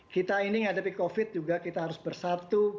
kita ini menghadapi covid juga kita harus bersatu